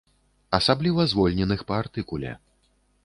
Асабліва звольненых па артыкуле.